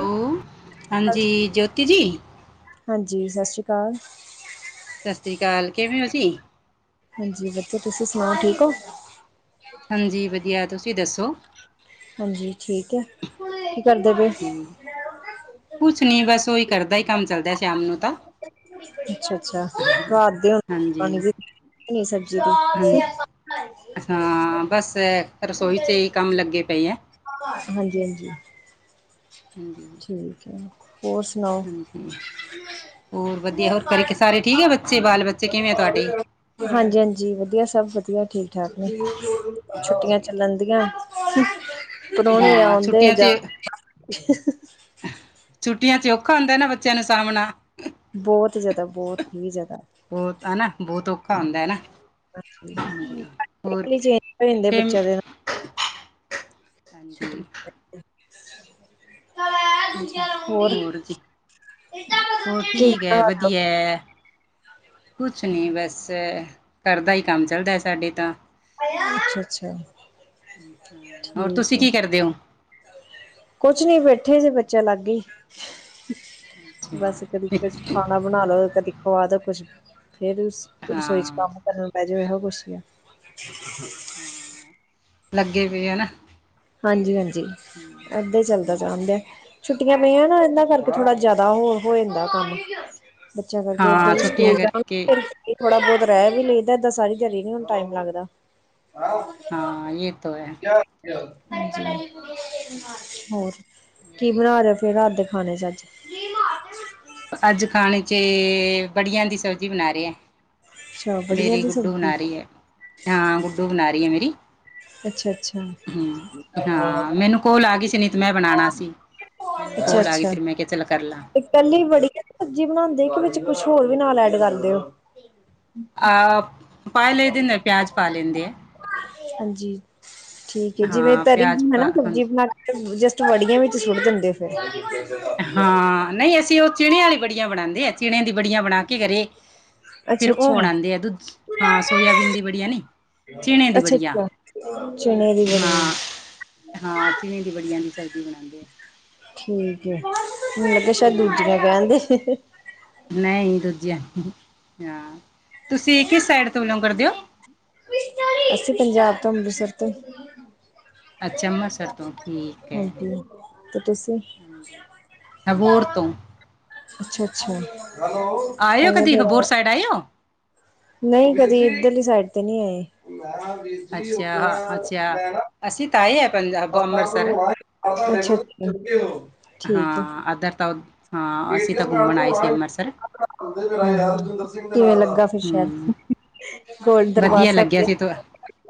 Hello, ਹਾਂਜੀ ਜੋਤੀ ਜੀ। ਹਾਂਜੀ। ਸਤਿ ਸ੍ਰੀ ਅਕਾਲ। ਸਤਿ ਸ੍ਰੀ ਅਕਾਲ ਕਿਵੇਂ ਹੋ ਜੀ? ਹਾਂਜੀ ਬੱਚੇ ਤੁਸੀਂ ਸਨਾਓ ਠੀਕ ਓਂ। ਹਾਂਜੀ ਵਦੀਆ ਤੁਸੀਂ ਦੱਸੋ ਹਾਂਜੀ ਠੀਕ ਐ। ਹੁੰਦੀ ਕੁਛ ਨੀ ਬਸ ਓਹੀ ਕਰਦਾ ਏਈ ਕੰਮ ਚੱਲਦਾ ਸ਼ਾਮ ਨੂੰ ਤਾਂ। ਅੱਛਾ-ਅੱਛਾ ਹਾਂਜੀ ਰਾਤ ਦੇ ਰੋਟੀ ਪਾਨੀ ਹਾਂਜੀ ਦੀ ਸਬਜ਼ੀ ਹਾਂਜੀ ਦੀ ਹਾਂ ਬਸ ਰਸੋਈ 'ਚ ਹੀ ਕੰਮ ਲੱਗੇ ਪਏ ਹੈ [inaudible] ਹਾਂਜੀ-ਹਾਂਜੀ ਹਾਂਜੀ ਠੀਕ ਐ। ਹੋਰ ਸੁਨਾਓ ਹਾਂਜੀ ਹੋਰ ਵਦੀਆ ਹੋਰ ਘਰੇਂ ਕੇ ਸਾਰੇ ਠੀਕ ਐ ਬੱਚੇ ਬਾਲ ਬੱਚੇ ਕਿਵੇਂ ਐ ਤੁਆਡੇ। ਹਾਂਜੀ-ਹਾਂਜੀ ਵਦੀਆ ਸਬ ਵਦੀਆ ਠੀਕ ਠਾਕ ਨੇ ਛੁੱਟੀਆਂ। ਜੀ ਠੀਕ ਹੈ ਚੱਲਨਦੀਆਂ ਪਰੌਨੇ ਹਾਂ ਔੰਦੇ ਛੁੱਟੀਆਂ 'ਚ ਜਾਂਦੇ ਛੁੱਟੀਆਂ ਚ ਔਖਾ ਹੁੰਦਾ ਨਾ ਬੱਚਿਆਂ ਨੂੰ ਸਾਮਨਾਂ। ਬੋਤ ਜ਼ਾਦਾ ਬੋਤ ਹੀ ਜ਼ਾਦਾ ਬੋਤ ਹਨਾ ਬੋਤ ਔਖਾ ਹੁੰਦਾ ਐ ਨਾ। ਹਾਂਜੀ ਹੋਰ ਚੇਂਜ ਹੋ ਜਾਂਦੇ ਟੇਮ ਬੱਚਿਆਂ ਦੇ ਨਾਲ ਛੁੱਟੀ। ਹਾਂਜੀ। [inaudible] ਹੋਰ ਜੀ, ਹੋਰ ਕੀ ਠੀਕ ਬਣਾ ਐ ਰਹੇ ਹੋ ਵਦੀਐ। ਕੁਛ ਨੀ ਬਸ ਘਰ ਦਾ ਈ ਕੰਮ ਚੱਲਦਾ ਐ ਸਾਡੇ ਤਾਂ। ਅੱਛਾ-ਅੱਛਾ। ਹੋਰ ਤੁਸੀਂ ਕੀ ਕਰਦੇ ਓਂ। ਕੁਛ ਨੀ ਬੈਠੇ ਸੀ ਬੱਚੇਆਂ ਲਾਗੇ ਈ। ਅੱਛਾ ਬਸ ਕਦੀ ਕੁਛ ਖਾਨਾ ਬਨਾ ਲੋ ਕਦੀ ਖੁਆ ਦੋ ਕੁਛ ਫੇਰ ਰਸੋਈ ਚ ਹਾਂ ਕੰਮ। ਮੈਂ ਜੋ ਏਹੋ ਕੁੱਛ ਈ ਆ। ਹਾਂ, ਲੱਗੇ ਪਏ ਆ ਹਨਾ। ਹਾਂਜੀ-ਹਾਂਜੀ, ਏਦਾਂ ਈ ਚੱਲਦਾ ਹਮ, ਜਾਨਦੇ ਆ। ਛੁੱਟੀਆਂ ਪਈਆਂ ਨਾ ਏਨਾਂ ਕਰਕੇ ਥੋੜਾ ਜਾਦਾ ਹੋਰ ਹੋ ਜਾਂਦਾ ਕੰਮ। ਬੱਚਿਆਂ ਕਰਕੇ ਹਾਂ ਓਦਰ ਛੁੱਟੀਆਂ ਸਕੂਲ ਜਾਂਵਾਂਗੀ ਕਰਕੇ ਫੇਰ। ਥੋੜਾ ਬੋਤ ਰੈ ਵੀ ਲਈਦਾ ਏਦਾਂ ਸਾਰੀ ਦਿਹਾੜੀ ਨੀ ਹੁਨ ਟਾਈਮ ਲੱਗਦਾ। ਹਾਂ ਯੇ ਤੋ ਹੈ। ਠੀਕ ਹੋਰ ਕੀ ਬਨਾ ਰੇ ਓਂ। ਕੀ ਰਾਤ ਦੇ ਖਾਣੇ ਚ ਅੱਜ ਹੈ ਅੱਜ ਖਾਨੇ ਚੇ ਬੜੀਆਂ ਦੀ ਸਬਜ਼ੀ ਬਨਾ ਰਏਂ ਆਂ। ਅੱਛਾ ਬੜੀਆਂ ਮੇਰੀ ਦੀ ਗੁੱਡੂ ਸਬਜ਼ੀ ਬਨਾ ਰੀ ਐ, ਹਾਂ ਗੁੱਡੂ ਬਨਾ ਰੀ ਐ ਮੇਰੀ। ਅੱਛਾ-ਅੱਛਾ। ਹੂੰ, ਹਾਂ ਮੈਨੂੰ ਕੋਲ ਆ ਗੀ ਸੀ ਨਈ ਤੇ ਮੈਂ ਬਨਾਨਾ ਸੀ। ਮੈਨੂੰ ਕੋਲ ਆ ਗੀ ਅੱਛਾ-ਅੱਛਾ ਫਿਰ ਮੈਂ ਕਿਆ ਚੱਲ ਕਰਲਾਂ। ਤੇ ਕੱਲੀ ਵੜੀਆ ਦੀ ਸਬਜ਼ੀ ਬਨਾਂਦੇ ਓਂ ਕੇ ਵਿੱਚ ਕੁਛ ਹੋਰ ਵੀ ਨਾਲ ਐਡ ਕਰਦੇ ਓਂ। ਆ, ਪਾ ਲਈਦੇ ਨੇ ਪਿਆਜ਼ ਪਾ ਲੇਂਦੇ ਆ। ਹਾਂਜੀ ਠੀਕ ਏ ਜਿਵੇਂ ਹਾਂ ਤਰੀ ਪਿਆਜ਼ ਪਾ ਹਨਾ ਸਬਜ਼ੀ ਹਾਂਜੀ ਬਨਾ ਕੇ ਜਸਟ ਵੜੀਆਂ ਵਿੱਚ ਸੁੱਟ ਦਿੰਦੇ ਓਂ ਫੇਰ। ਹਾਂ ਨਈਂ ਅਸੀਂ ਓ ਚਿਨਿਆਂ ਆਲੀ ਬੜੀਆਂ ਬਨਾਂਦੇ ਐ। ਚੀਣਿਆਂ ਦੀ ਬੜੀਆਂ ਬਣਾ ਕੇ ਘਰੇ ਅੱਛਾ ਫਿਰ ਉਹ ਅੱਛਾ ਬਣਾਂਦੇ ਆ ਦੁੱਧ ਚ ਹਾਂ ਸੋਇਆਬੀਨ ਦੀ ਬੜੀਆ ਨਈਂ। ਅੱਛਾ ਅੱਛਾ, ਚਣੇ ਦੀ ਵੜੀਆ। ਹਾਂ ਹਾਂ ਚਨੇ ਦੀ ਬੜੀਆਂ ਦੀ ਸਬਜ਼ੀ ਬਣਾਂਦੇ। ਠੀਕ ਐ, ਮੇਂ ਕਿਆ ਆ ਸ਼ਾਇਦ ਦੂਜੀਆਂ ਕੈਣ ਦੇ। ਨਈ ਦੂਜੀਆਂ ਹਾਂ, ਤੁਸੀਂ ਕਿਸ ਸਾਈਡ ਤੋਂ ਬਿਲੋਂਗ ਕਰਦੇ ਓ? ਅਸੀਂ ਪੰਜਾਬ ਤੋਂ, ਅੰਮ੍ਰਿਤਸਰ ਤੋਂ ਅੱਛਾ ਅੰਮ੍ਰਿਤਸਰ ਤੋਂ ਠੀਕ ਹੈ ਹਾਂਜੀ ਤੇ ਤੁਸੀਂ ਅਬੋਰ ਤੋਂ ਅੱਛਾ, ਅੱਛਾ। ਆਏ ਓ ਕਦੀ, ਅਬੋਹਰ ਸਾਈਡ ਆਏ ਓ? ਨਈਂ ਕਦੀ ਇੱਧਰਲੀ ਸਾਈਡ ਤੇ ਨ੍ਹੀਂ ਆਏ। ਵੀਰ ਜੀ ਅੱਛਾ, ਹਾਂ ਉੱਧਰ ਅੱਛਾ, ਮੈਂ ਨਾ ਅਸੀਂ ਤਾਂ ਆਏ ਆ ਪੰਜਾਬ ਭ [unintelligible] ਅੰਮ੍ਰਿਤਸਰ। ਹੁਕਓ ਹਾਂ ਅਦਰਰ ਤਾ ਉਹ [unintelligible] ਕਿਵੇਂ ਲੱਗਾ ਫਿਰ ਸੈ਼ਰ? ਹੂੰ, ਵਧੀਆ ਲੱਗਿਆ ਸੀ ਤੁਆ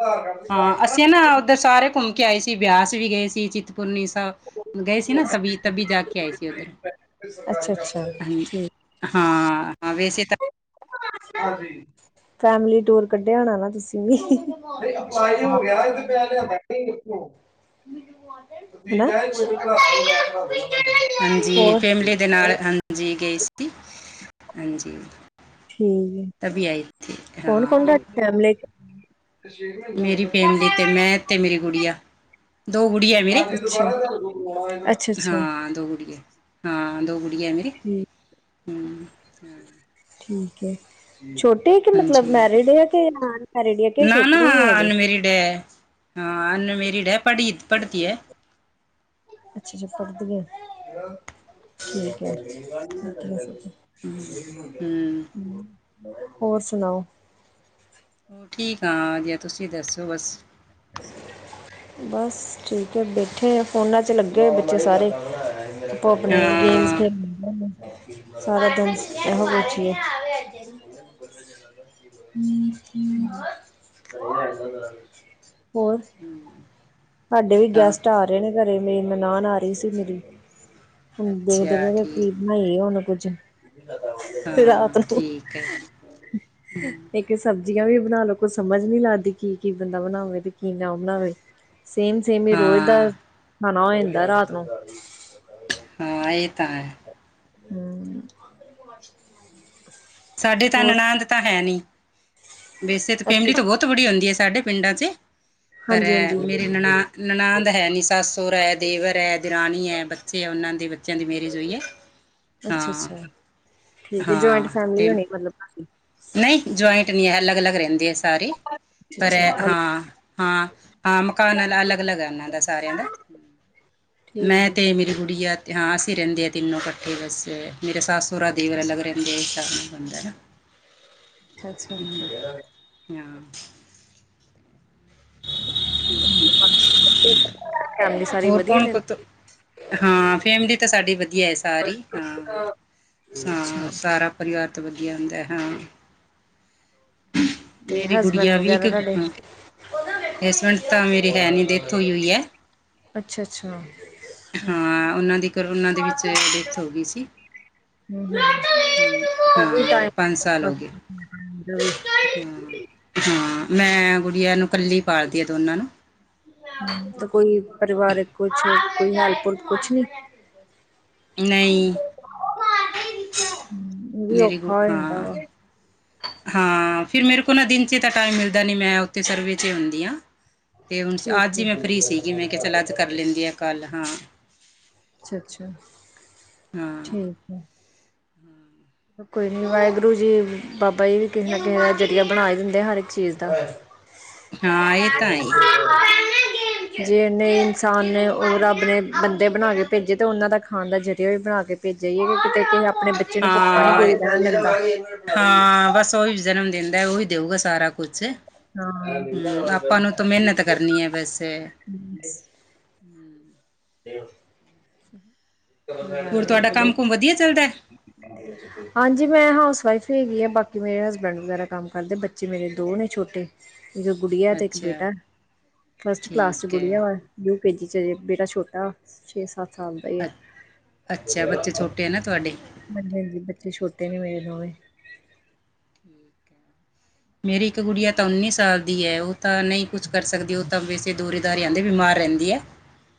ਆਧਾਰ ਕਾਰਡ ਦੀ ਹਾਂ ਕਰਾ ਅਸੀਂ ਨਾ ਕੇ ਉੱਧਰ ਸਾਰੇ ਘੁੰਮ ਆਏ ਸੀ ਬਿਆਸ ਵੀ ਗਏ ਸੀ ਚਿੰਤਪੁਰਨੀ ਸਾਬ ਗਏ ਸੀ ਨਾ ਸਭੀ ਤਬੀ ਜਾ ਕੇ ਆਏ ਸੀ ਉੱਧਰ। ਅੱਛਾ ਅੱਛਾ ਹਾਂਜ ਠੀਕ। ਹਾਂ, ਆ ਵੇਸੇ ਤਾਂ ਹਾਂਜੀ, ਫੈਮਲੀ ਟੂਰ ਕੱਢਿਆ ਹੋਣਾ ਨਾ ਤੁਸੀਂ ਵੀ ਅਪਲਾਈ ਹੋ ਗਿਆ ਏ ਤੇ ਪਿਆ ਲਿਆਂਦਾ ਨਈ ਓਥੋਂ। [unintelligible] ਹੋਰ [unintelligible] ਜੀ ਗਈ ਸੀ, ਹਾਂਜੀ। ਠੀਕ ਹੈ ਤਭੀ ਆਈ ਥੀ, ਕੌਣ-ਕੌਣ ਹਾਂ। ਤੁਹਾਡੀ ਫੈਮਲੀ ਛੇ ਮਹੀਨੇ ਹੋ ਮੇਰੀ ਗਏ ਫੈਮਲੀ ਤੇ ਮੈਂ ਤੇ ਮੇਰੀ ਗੁੜੀਆ। ਦੋ ਗੁੜੀਆ ਮੇਰੇ, ਹਾਂਜੀ ਦੁਬਾਰਾ ਤੁਹਾਡੇ ਕੋਲ ਕਰਵਾਉਣਾ ਇਹਨਾਂ ਨੇ। ਅੱਛਾ ਹਾਂ ਦੋ ਗੁੜੀਆਂ ਐ। ਹਾਂ ਦੋ ਗੁੜੀਆਂ ਐ ਮੇਰੇ। ਠੀਕ। ਹਂ। ਠੀਕ ਐ, ਛੋਟੀ ਕਿ ਮਤਲਬ ਹਾਂਜੀ ਮੈਰਿਡ ਕਿ ਘੜ ਅੱਗੇ ਨਾ ਨਾ ਛੋਟੀਆਂ ਈ ਹੈ ਹਜੇ। [unintelligible] ਹਾਂ ਅਨਮੇਰਿਡ ਐ ਪੜ੍ਹੀ ਤੇ ਪੜ੍ਹਦੀ ਐ। ਅੱਛਾ ਅੱਛਾ ਫੜਦੀ ਐ, ਠੀਕ ਐ [unintelligible] ਹੂੰ ਹਂ, ਹੋਰ ਸੁਣਾਓ? ਠੀਕ ਆਂ, ਅਜੇ ਆ ਤੁਸੀਂ ਦੱਸੋ ਬਸ। ਬਸ ਠੀਕ ਐ, ਬੈਠੇ ਫੋਨਾਂ ਚ ਲੱਗੇ ਹੋਏ ਬੱਚੇ ਸਾਰੇ। ਆਪੋ ਆਪਣੇ ਗੇਮਸ ਹਾਂ ਖੇਲਦੇ ਸਾਰਾ ਦਿਨ ਇਹੋ ਕੁਛ ਈਏ। [inaudible] ਹੋਰ? ਹਂ। ਹਾਡੇ ਵੀ ਗੈਸਟ ਆ ਰੇ ਨੇ ਘਰੇ, ਮੇਰੀ ਨਨਾਨ ਆ ਰੀ ਸੀ ਮੇਰੀ। ਹੁਣ ਦੇਖਦੇ ਅੱਛਾ ਪਏਦੇ ਕਿ ਠੀਕ ਬਣਾਈਏ ਹੁਣ ਕੁੱਝ ਰਾਤ ਹਾਂ ਨੂੰ। ਠੀਕ ਹੈ [inaudible] ਇੱਕ ਸਬਜ਼ੀਆਂ ਵੀ ਬਨਾ ਲੋ ਕੁਛ ਸਮਝ ਨੀ ਲੱਗਦੀ ਕੀ-ਕੀ ਬੰਦਾ ਬਨਾਵੇ ਤੇ ਕੀ ਨਾ ਬਨਾਵੇ। ਸੇਮ-ਸੇਮ ਈ ਰੋਜ਼ ਹਾਂ ਦਾ ਖਾਨਾ ਹੋ ਜਾਂਦਾ ਰਾਤ ਨੂੰ। ਹਾਂ ਏ ਤਾਂ ਐ। ਹੂੰ। ਸਾਡੇ ਤਾਂ ਨਨਾੰਦ ਤਾਂ ਹੈ ਨੀ ਵੈਸੇ ਤਾਂ ਅੱਛਾ ਫੈਮਿਲੀ ਤੋਂ ਬੋਤ ਥੋੜੀ ਹੁੰਦੀ ਐ ਸਾਡੇ ਪਿੰਡਾਂ ਚ ਪਰ ਹਾਂਜੀ ਐ ਹਾਂਜੀ ਮੇਰੀ ਨਣਾ ਨਨਾੰਦ ਹੈ ਨੀ ਸਸ ਸੋਰਾ ਐ, ਦੇਵਰ ਐ, ਦੇਰਾਨੀ ਐ, ਬੱਚੇ ਐ ਓਨਾਂ ਦੇ ਚਦੀ ਮੇਰੀ ਜੋਈਏ ਅੱਛਾ ਆਂ। ਅੱਛਾ ਠੀਕ ਐ ਜੁਆਇੰਟ ਫੈਮਿਲੀ ਹੋਨੀ ਮਤਲਬ ਤੋਡੀ। ਨਈ ਜੁਆਇੰਟ ਨੀ ਐ, ਅਲੱਗ-ਅਲੱਗ ਰੈਂਦੇ ਐ ਸਾਰੇ ਪਰ ਐ ਅੱਛਾ ਅੱਛਾ ਹਾਂ, ਹਾਂ ਆਂ ਮਕਾਨ ਅਲ ਅਲੱਗ-ਅਲੱਗ ਐ ਓਨਾਂ ਸਾਰਿਆਂ ਦਾ, ਠੀਕ ਮੈਂ ਹੈ। ਤੇ ਮੇਰੀ ਗੁੜੀਆ ਤੇ ਹਾਂ ਅਸੀਂ ਰੈਂਦੇ ਆ ਤਿੰਨੋਂ ਕੱਠੇ ਬਸ ਮੇਰੇ ਸੱਸ ਸੋਰਾ, ਦੇਵਰ ਅਲੱਗ ਰੈਂਦੇ ਆ ਸ਼ਾਮ ਨੂੰ ਬੰਨਦਾ ਐ ਨਾ। ਅੱਛਾ। ਆਂ। ਫੈਮਲੀ ਸਾਰੀ ਹੋਰ ਵਧੀਆ ਕੌਣ ਕੋਤ ਹਾਂ ਫੈਮਿਲੀ ਤਾਂ ਸਾਡੀ ਵਦੀਆ ਐ ਸਾਰੀ ਹਾਂ। ਰਹਿੰਦੀ ਹਾਂ ਅੱਛਾ ਸਾਰਾ ਪਰਿਵਾਰ ਤੇ ਵਦੀਆ ਹੁੰਦਾ ਹਾਂ। ਤੇ ਮੇਰੀ ਹਸਬੈਂਡ ਗੁੜੀਆ ਵੀ ਇੱਕ, ਵਗੈਰਾ ਤੁਹਾਡੇ ਹਸਬੈਂਡ ਤਾਂ ਮੇਰੇ ਹੈ ਨਈ ਦੇ ਡੈੱਥ ਹੋਈ ਹੋਈ ਐ। ਅੱਛਾ-ਅੱਛਾ। ਹਾਂ ਓਨਾਂ ਦੀ ਕਰੋਨਾ ਦੇ ਵਿੱਚ ਡੈਥ ਹੋ ਗਈ ਸੀ। ਹਮ, ਹਾਂ ਸਾਲ ਹੋ ਗਏ [unintelligible] ਹਾਂ, ਹਾਂ ਮੈਂ ਗੁੜੀਆਂ ਨੂੰ ਕੱਲੀ ਪਾਲਦੀ ਆ ਦੋਨਾਂ ਨੂੰ। ਹੂੰ ਤੇ ਕੋਈ ਪਰਿਵਾਰਕ ਕੁਛ, ਕੋਈ ਹੈਲਪ-ਹੁਲਪ ਕੁਛ ਨੀ। [inaudible] ਨਈ ਐਵੀ ਔ। ਮੇਰੀ ਗੁ- ਖਾ ਹੋ ਜਾਂਦਾ ਹਾਂ ਵਾ ਹਾਂ ਫਿਰ ਮੇਰੇ ਕੋਲ ਨਾ ਦਿਨ ਚ ਤਾਂ ਟਾਈਮ ਮਿਲਦਾ ਨਈ ਮੈਂ ਓੱਥੇ ਸਰਵੇ ਚ ਹੁੰਦੀ ਆ। ਤੇ ਹੁਣ ਠੀਕ ਅੱਜ ਈ ਮੈਂ ਹੈ ਫਰੀ ਸੀਗੀ ਮੈਂ ਕਿਆ ਚੱਲ ਆੱਜ ਕਰ ਲੈਂਦੀ ਆ ਕੱਲ ਹਾਂ। ਅੱਛਾ-ਅੱਛਾ ਹਾਂ ਠੀਕ ਐ। [inaudible] ਕੋਈ ਨੀ ਵਾਈਗੁਰੂ ਜੀ ਬਾਬਾ ਜੀ ਵੀ ਕਿਸੇ ਨਾ ਕਿਸੇ ਦਾ ਜਰੀਆ ਬਨਾ ਈ ਦਿੰਦੇ ਆ ਹਰ ਇੱਕ ਚੀਜ਼ ਦਾ। [inaudible] ਹਾਂ ਇਹ ਤਾਂ ਹੈ ਹੀ। ਜੇ ਐਨੇ ਇਨਸਾਨ ਨੇ ਓ ਰੱਬ ਨੇ ਬੰਦੇ ਬਣਾ ਕੇ ਪੇਜੇ ਤਾਂ ਓਨਾਂ ਦਾ ਖਾਨ ਦਾ ਜ਼ਰੀਆ ਵੀ ਬਣਾ ਕੇ ਪੇਜੇ ਈਏ ਕਿਤੇ ਅਪਣੇ ਬੱਚੇ ਨੂੰ ਭੁੱਖਾ ਨੀ ਹਾਂ ਕੋਈ ਰੈਨ ਦਿੰਦਾ। ਹਾਂ ਬਸ ਓਈ ਜਨਮ ਦੇੰਦਾ ਓਹੀ ਦੇਊਗਾ ਸਾਰਾ ਕੁਛ। ਹੂੰ ਆਪਾਂ ਨੂੰ ਤਾਂ ਮ੍ਹੇਨਤ ਕਰਨੀ ਐ ਵੈਸੇ। [inaudible] [unintelligible] ਹੋਰ ਤੁਆਡਾ ਚਲੋ ਕੰਮ ਕੁਮ ਵਦੀਆ ਚੱਲਦਾ। [inaudible] ਹਾਂਜੀ ਮੈਂ ਹਾਊਸ ਵਾਈਫ ਹੈਗੀ ਆ ਬਾਕੀ ਮੇਰੇ ਹਸਬੈਂਡ ਵਗੈਰਾ ਕੰਮ ਕਰਦੇ ਬੱਚੇ ਮੇਰੇ ਦੋ ਨੇ ਛੋਟੇ ਇੱਕ ਗੁੜਿਆ ਤੇ ਇੱਕ ਅੱਛਾ ਬੇਟਾ ਫਸਟ ਕਲਾਸ ਚ ਠੀਕ ਗੁੜਿਆ ਹੈ ਵਾ। ਊ ਕੇ ਜੀ ਚ ਅਜੇ ਬੇਟਾ ਛੋਟਾ। ਛੇ, ਸੱਤ ਸਾਲ ਦਾ ਈ ਐ। ਅ ਅੱਛਾ ਬੱਚੇ ਛੋਟੇ ਹੈ ਨਾ ਤੁਹਾਡੇ ਹਾਂਜੀ-ਹਾਂਜੀ ਬੱਚੇ ਛੋਟੇ ਨੀ ਮੇਰੇ ਦੋਵੇਂ। ਠੀਕ ਹੈ। ਮੇਰੀ ਇੱਕ ਗੁੜੀਆ ਤਾਂ ਉੱਨੀ ਸਾਲ ਦੀ ਹੈ, ਉਹ ਤਾਂ ਨਹੀਂ ਕੁਛ ਕਰ ਸਕਦੀ, ਉਹ ਤਾਂ ਵੇਸੇ ਦੂਰੇ ਦਾਰੇ ਆਉਂਦੇ ਬਿਮਾਰ ਰਹਿੰਦੀ ਹੈ। [inaudible]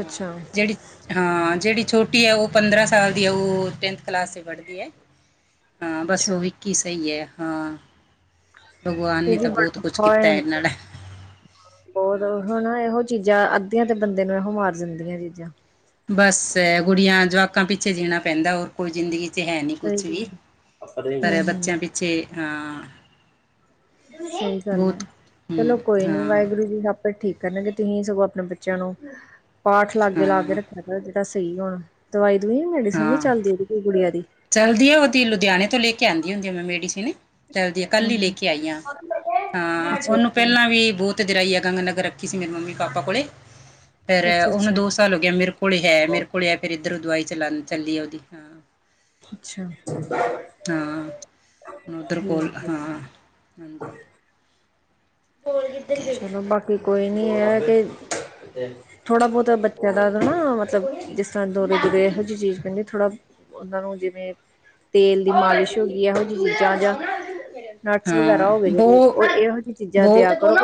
ਹਾਂ ਅੱਛਾ ਜਿਹੜੀ ਹਾਂ, ਜਿਹੜੀ ਛੋਟੀ ਆ ਉਹ ਪੰਦਰਾਂ ਸਾਲ ਦੀ, ਉਹ ਟੈਂਥ ਕਲਾਸ ਚ ਪੜਦੀ ਹੈ। ਹਾਂ ਬਸ ਉਹ ਅੱਛਾ, ਇੱਕ ਹੀ ਸਹੀ ਹੈ, ਹਾਂ। ਭਗਵਾਨ ਨੇ ਇਹਦੀ ਤਾਂ ਬਹੁਤ ਕੁਛ ਕੀਤਾ [inaudible] ਇਹਨਾਂ ਨਾਲ ਹੋਰ ਹੁਨ ਇਹੋ ਚੀਜ਼ਾਂ ਅੱਧੀਆਂ ਤੇ ਬੰਦੇ ਨੂੰ, ਇਹੋ ਮਾਰ ਜਾਂਦੀਆਂ ਨੇ। ਬਸ ਗੁੜੀਆਂ, ਜਵਾਕਾਂ ਪਿੱਛੇ ਜੀਣਾ ਪੈਂਦਾ, ਹੋਰ ਕੋਈ ਜ਼ਿੰਦਗੀ ਛੇ ਹੈ ਨੀ ਕੁਛ ਵੀ, ਹੂੰ-ਹੂੰ ਸਹੀ ਪਰ ਬੱਚਿਆਂ ਪਿੱਛੇ ਹਾਂ। ਸਹੀ ਗੱਲ ਹੈ ਬਹੁਤ ਹੂੰ ਚਲੋ ਕੋਈ ਨੀ, ਹਾਂ ਵਾਹਿਗੁਰੂ ਜੀ ਹ ਠੀਕ ਕਰਨਗੇ, ਤੁਸੀਂ ਸਗੋਂ ਆਪਣੇ ਬੱਚਿਆਂ ਨੂੰ ਪਾਠ ਲਾਗੇ ਲਾ ਕੇ ਹਾਂ ਰੱਖਿਆ ਜੇ। ਤਾਂ ਸਹੀ ਹੁਣ, ਦਵਾਈ ਦੂਈ ਮੈਡੀਸਨ ਨੀ ਚੱਲਦੀ ਕੁੜੀਆਂ ਦੀ। ਚੱਲਦੀ ਆ, ਉਹਦੀ ਲੁਧਿਆਣੇ ਤੋਂ ਲੈ ਕੇ ਆਉਂਦੀ ਹੁੰਦੀ ਆ, ਮੈਂ ਮੇਡੀਸਨ। ਤੇ ਉਹਦੀਆਂ ਕੱਲੀ ਹਮ। ਲੈ ਕੇ ਆਈਆਂ ਅੱਛਾ ਹਾਂ, ਅੱਛਾ ਉਹਨੂੰ ਪਹਿਲਾਂ ਵੀ ਬਹੁਤ ਤੇ ਜਰਾਈ ਆ, ਗੰਗ ਨਗਰ ਰੱਖੀ ਸੀ ਮੇਰੀ ਮੰਮੀ ਪਾਪਾ ਕੋਲੇ। ਫੇਿਰ ਅੱਛਾ ਉਹਨੂੰ ਅੱਛਾ ਦੋ ਸਾਲ ਹੋ ਗਿਆ ਮੇਰੇ ਕੋਲ ਹੈ, ਮੇਰੇ ਕੋਲ ਹੈ, ਫਿਰ ਇੱਧਰੋਂ ਦਵਾਈ ਚਲਾ ਚੱਲੀ ਹੈ, ਉਹਦੀ ਹਾਂ। ਅੱਛਾ। ਹਾਂ ਉਧਰ ਠੀਕ ਕੋਲ ਹੈ ਹਾਂ, ਹਾਂਜੀ। ਹੈ [inaudible] ਚਲੋ ਬਾਕੀ ਕੋਈ ਨਹੀਂ ਹੈ ਕਿ ਥੋੜ੍ਹਾ ਬਹੁਤ ਬੱਚਿਆਂ ਦਾ ਤਾਂ ਨਾ, ਮਤਲਬ ਜਿਸ ਤਰ੍ਹਾਂ ਦੁਰਰੇ ਦੂਰੇ ਇਹੋ ਜਿਹੀ ਚੀਜ਼ ਪੈਂਦੀ ਥੋੜਾ ਉਹਨਾਂ ਨੂੰ ਜਿਵੇਂ ਤੇਲ ਦੀ ਮਾਲਿਸ਼ ਹੋ ਗਈ, ਇਹੋ ਜਿਹੀ ਚੀਜ਼ਾਂ ਜਾਂ ਨਟਸ ਹਾਂ ਵਗੈਰਾ ਹੋਏ ਜਿਹੜੇ ਬੋ ਉਹ ਇਹੋ ਜਿਹੀ ਚੀਜ਼ਾਂ ਬਹੁ ਦਿਆ ਕਰ।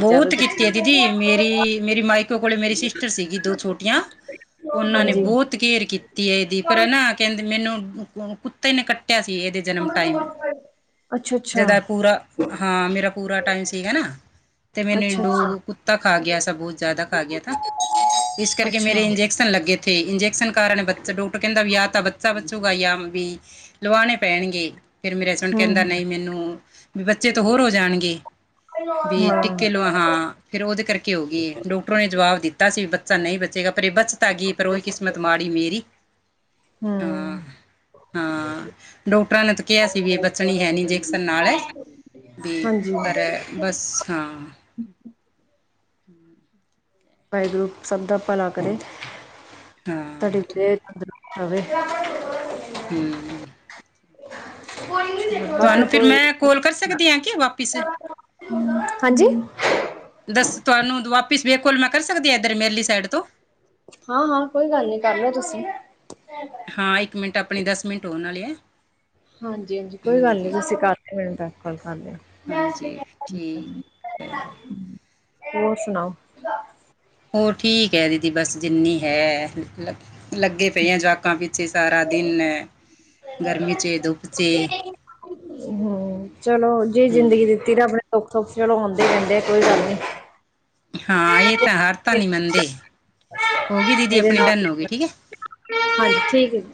ਬਹੁਤ ਕਿ ਕੀਤੀ ਹੈ ਦੀਦੀ, ਮੇਰੀ-ਮੇਰੀ, ਮਾਈਕੋ ਕੋਲੇ, ਮੇਰੀ ਦੋ ਸਿਸਟਰ ਸੀਗੀ, ਦੋ ਛੋਟੀਆਂ ਉਹਨਾਂ ਨੇ ਹਾਂਜੀ ਬਹੁਤ ਘੇਅਰ ਕੀਤੀ ਹੈ, ਇਹਦੀ ਪਰ ਹਨ ਨਾ ਕਹਿੰਦੇ ਮੈਨੂੰ ਕੁੱਤੇ ਨੇ ਕੱਟਿਆ ਸੀ ਇਹਦੇ ਜਨਮ ਟਾਈਮ, ਅੱਛਾ ਅੱਛਾ ਜਦ ਮੇਰਾ ਹਾਂ ਪੂਰਾ ਟਾਈਮ ਸੀਗਾ ਨਾ। ਤੇ ਮੈਨੂੰ ਅੱਛਾ ਅੱਛਾ ਡੋ ਕੁੱਤਾ ਖਾ ਗਿਆ, ਸ ਬਹੁਤ ਜ਼ਿਆਦਾ ਖਾ ਗਿਆ ਤਾਂ, ਇਸ ਕਰਕੇ ਅੱਛਾ ਮੇਰੇ ਇੰਜੇ ਕ ਲੱਗੇ ਥੇ, ਇੰਜੈਕਸ਼ਨ ਕਾਰਨ ਬੱਚਾ ਡਾਕਟਰ ਕਹਿੰਦਾ ਵੀ, ਆਹ ਤਾਂ ਬੱਚਾ ਬਚੂਗਾ ਯ ਵੀ ਲਵਾਉਣੇ ਪੈਣਗੇ। ਫਿਰ ਮੇਰੇ ਹਸਬੈਂਡ ਕਹਿੰਦਾ ਹਮ ਨਹੀਂ ਮੈਨੂੰ, ਵੀ ਬੱਚੇ ਤੇ ਹੋਰ ਹੋ ਜਾਣਗੇ ਵੀ। ਹਾਂ ਟਿੱਕੇ ਲਓ ਹਾਂ, ਫਿਰ ਉਹਦੇ ਕਰਕੇ ਹੋ ਗਈ, ਡੋਕਟਰਾਂ ਨੇ ਜਵਾਬ ਦਿੱਤਾ ਸੀ, ਬੱਚਾ ਨਹੀਂ ਬਚੇਗਾ ਪਰ ਇਹ ਬਚ ਧਾ ਗ ਪਰ ਉਹੀ ਕਿਸਮਤ ਮਾੜੀ ਮੇਰੀ। ਹਾਂ ਹਮ। ਹਾਂ ਡੋਕਟਰਾਂ ਨੇ ਤਾਂ ਕਿਹਾ ਸੀ ਵੀ ਇਹ ਬਚਣੀ ਹੈ ਨੀ, ਜੇਅਕਸਨ ਨਾਲ। ਵੀ ਹਾਂਜੀ ਪਰ ਬਸ ਹਾਂ। ਵਾਹਿਗੁਰੂ ਸਭ ਦਾ ਭਲਾ ਕਰੇ। ਹਾਂ। ਠੀਕ [inaudible] ਹਮ। ਬਾਕੀ ਤੁਹਾਨੂੰ ਫਿਰ ਕੋਈ ਮੈਂ ਕੋਲ ਕਰ ਸਕਦੀ ਹਾਂ ਕਿ ਵਾਪਿਸ ਹਾਂਜੀ। ਦਸ ਤੁਹਾਨੂੰ ਦੁਵਾਪਿਸ ਬੇਕ ਕੋਲ ਮੈਂ ਕਰ ਸਕਦੀ ਆ, ਇੱਧਰ ਮੇਰਲੀ ਸਾਈਡ ਤੋਂ? ਹਾਂ-ਹਾਂ, ਕੋਈ ਗੱਲ ਨੀ ਕਰ ਲੋ ਤੁਸੀਂ। ਹਾਂ, ਇੱਕ ਮਿੰਟ ਆਪਣੇ ਦਸ ਮਿੰਟ ਹੋ ਵਾਲੇ ਐ। ਹਾਂਜੀ ਹਾਂਜੀ, ਕੋਈ ਗੱਲ ਨੀ, ਤੁਸੀਂ ਕਰ ਲਇਓ ਮੈਨੂੰ ਬੇਕ ਕੋਲ ਕਰ ਲਓ। ਹਾਂਜੀ ਠੀਕ ਹੈ ਹੋਰ ਸੁਣਾਓ? ਹੋਰ ਠੀਕ ਐ, ਦੀਦੀ ਬਸ ਜਿੰਨੀ ਹੈ, ਲੱਗੇ ਪਏ ਆ ਜਾ ਕੇ ਕਾ ਪਿੱਛੇ ਸਾਰਾ ਦਿਨ ਗਰਮੀ ਚੇ ਧੁੱਪ ਚੇ। ਹੂੰ, ਚਲੋ ਜੇ ਹਮ, ਜ਼ਿੰਦਗੀ ਦਿੱਤੀ ਰੱਬ ਨੇ, ਤਾ ਦੁੱਖ ਸੁੱਖ ਚਲੋ ਆਂਦੇ ਈ ਰਹਿੰਦੇ ਆ ਕੋਈ ਗੱਲ ਨੀ। ਹਾਂ, ਇਹ ਤਾਂ ਹਾਰ ਤਾਂ ਨੀ ਮੰਨਦੇ, ਹੋ ਗਈ ਦੀਦੀ ਇਹਦੇ ਆਪਣੀ ਡਨ ਨਾਲ ਹੋ ਗਈ ਠੀਕ ਐ। ਹਾਂਜੀ ਠੀਕ ਐ ਜੀ।